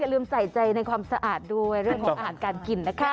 ลืมใส่ใจในความสะอาดด้วยเรื่องของอาหารการกินนะคะ